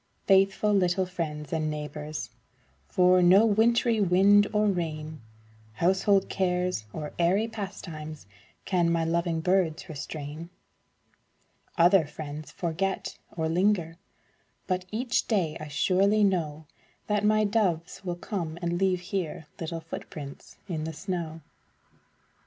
Faithful little friends and neighbors, For no wintry wind or rain, Household cares or airy pastimes, Can my loving birds restrain. Other friends forget, or linger, But each day I surely know That my doves will come and leave here Little footprints in the snow.